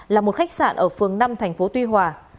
là một khách sạn ở phường năm thành phố tuy hòa